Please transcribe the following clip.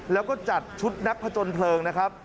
แล้วก็จัดชุดนักผจญเพลิงนะครับ